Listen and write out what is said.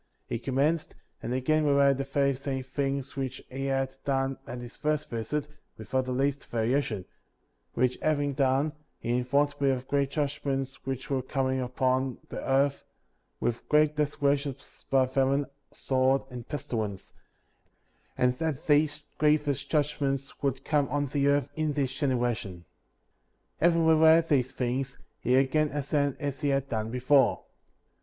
45. He commenced, and again related the very same things which he had done at his first visit, without the least variation; which having done, he informed me of great judgments which were coming upon the earth, with great desolations by famine, sword, and pestilence; and that these grievous judg ments would come on the earth in this generation. Digitized by VjOOQ IC 7 92 PEARL OF GREAT PRICE. Having related these things, he again ascended as he had done before.